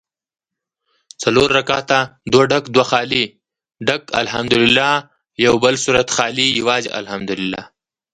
څلور رکعته دوه ډک دوه خالي ډک الحمدوالله او یوبل سورت خالي یوازي الحمدوالله